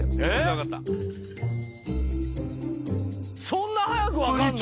そんな早く分かんの？